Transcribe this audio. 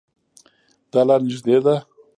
دا لار نږدې ده